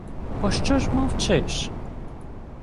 — Пощо ж мовчиш?